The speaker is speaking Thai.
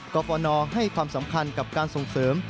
กรฟนให้ความสำคัญกับการส่งเสริม